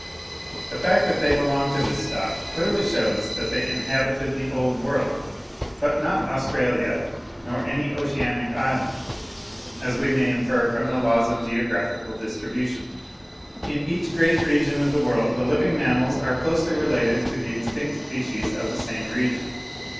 The fact that they belonged to this stock clearly shews that they inhabited the Old World; but not Australia nor any oceanic island, as we may infer from the laws of geographical distribution. In each great region of the world the living mammals are closely related to the extinct species of the same region.